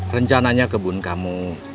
rencananya kebun kamu